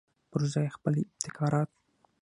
پرځای یې خپل ابتکارات.